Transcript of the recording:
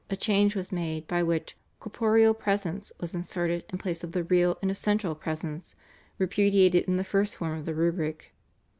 a change was made, by which "corporeal presence" was inserted in place of the "real and essential presence" repudiated in the first form of the rubric.